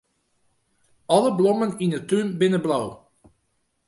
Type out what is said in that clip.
Alle blommen yn 'e tún binne blau.